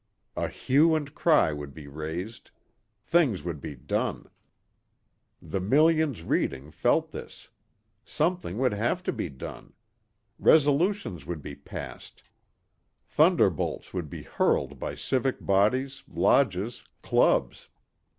A hue and cry would be raised. Things would be done. The millions reading felt this. Something would have to be done. Resolutions would be passed. Thunderbolts would be hurled by civic bodies, lodges, clubs.